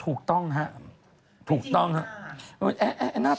ถูกต้องนะถูกต้องนะ